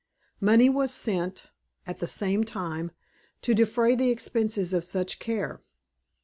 Money was sent, at the same time, to defray the expenses of such care.